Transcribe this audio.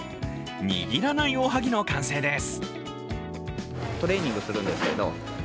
握らないおはぎの完成です。